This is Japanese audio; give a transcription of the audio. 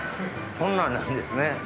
こんなんなんですね。